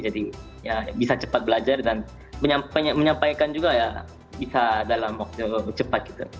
jadi ya bisa cepat belajar dan menyampaikan juga ya bisa dalam waktu cepat gitu